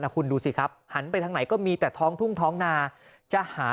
คุณดูสิครับหันไปทางไหนก็มีแต่ท้องทุ่งท้องนาจะหา